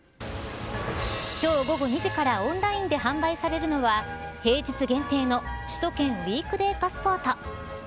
今日、午後２時からオンラインで販売されるのは平日限定の首都圏ウィークデーパスポート。